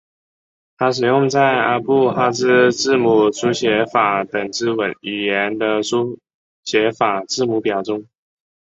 它使用在阿布哈兹字母书写法等之语言的书写法字母表中。